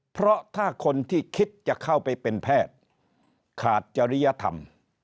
เพราะถ้าคนที่คิดจะเข้าไปเป็นแพทย์ขาดจริยธรรม